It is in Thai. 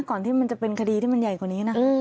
ก่อนที่มันจะเป็นคดีที่มันใหญ่กว่านี้นะ